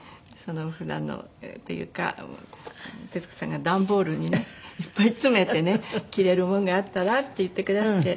普段のっていうか徹子さんが段ボールにねいっぱい詰めてね「着れるものがあったら」って言ってくだすって。